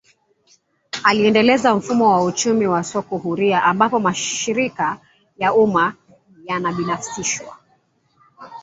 aliendeleza mfumo wa uchumi wa soko huria ambapo mashirika ya umma yanabinafsishwa